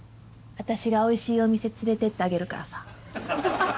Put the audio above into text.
私がおいしいお店連れてってあげるからさ。